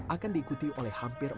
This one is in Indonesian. akan diikuti oleh seorang pemerintah